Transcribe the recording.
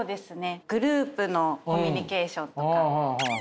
グループのコミュニケーションとか。